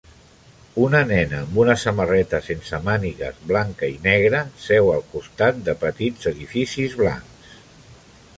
Una nena amb una samarreta sense mànigues blanca i negra seu al costat de petits edificis blancs.